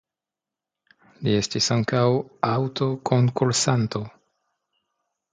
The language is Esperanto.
Li estis ankaŭ aŭtokonkursanto.